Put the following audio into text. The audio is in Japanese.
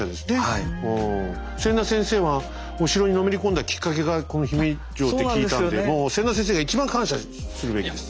千田先生はお城にのめり込んだきっかけがこの姫路城って聞いたんでもう千田先生が一番感謝するべきです